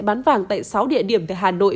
bán vàng tại sáu địa điểm tại hà nội